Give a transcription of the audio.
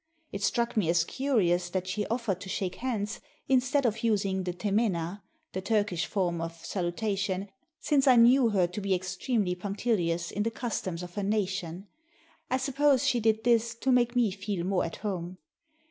It struck me as curious that she offered to shake hands, instead of using the temena, the Turkish form of salutation, since I knew her to be extremely punctilious in the customs of her nation. I suppose she did this to make me feel more at home.